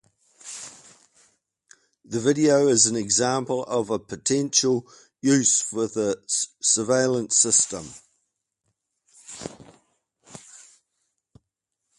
The video is an example of a potential use for the surveillance system.